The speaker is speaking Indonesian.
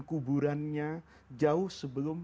kuburannya jauh sebelum